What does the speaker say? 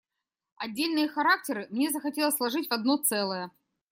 Отдельные характеры мне захотелось сложить в одно целое.